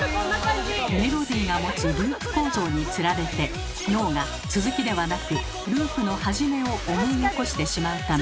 メロディーが持つループ構造につられて脳が続きではなくループのはじめを思い起こしてしまうため。